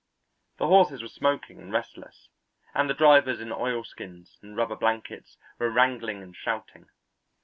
The horses were smoking and restless, and the drivers in oilskins and rubber blankets were wrangling and shouting.